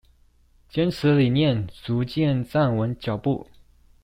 堅持理念，逐漸站穩腳步